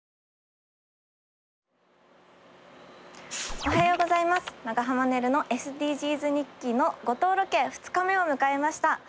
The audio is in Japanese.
おはようございます長濱ねるのＳＤＧｓ日記の五島ロケ２日目を迎えました。